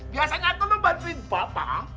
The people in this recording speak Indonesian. biasanya aku ngebantuin bapak